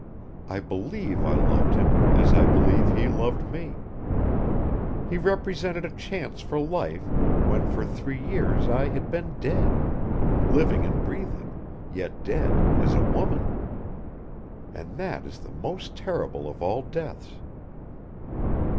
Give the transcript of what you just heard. I believe I loved him as I believe he loved me. He represented a chance for life when for three years I had been dead living and breathing yet dead as a woman. And that is the most terrible of all deaths.